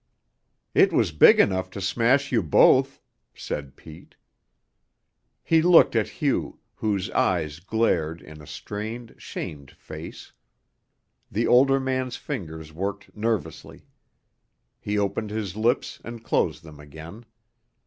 "It was big enough to smash you both," said Pete. He looked at Hugh, whose eyes glared in a strained, shamed face. The older man's fingers worked nervously; he opened his lips and closed them again.